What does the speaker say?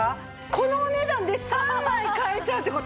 このお値段で３枚買えちゃうって事？